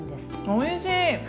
おいしい！